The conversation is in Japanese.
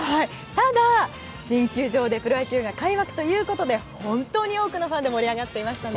ただ、新球場でプロ野球が開幕ということで本当に多くのファンで盛り上がっていましたね。